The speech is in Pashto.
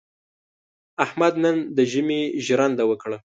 احمد نن د ژمي ژرنده وکړه.